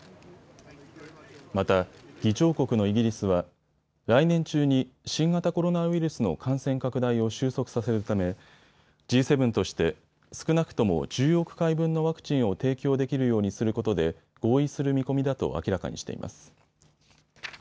また議長国のイギリスは来年中に新型コロナウイルスの感染拡大を収束させるためＧ７として少なくとも１０億回分のワクチンを提供できるようにすることで合意する見込みだと明らかにしています。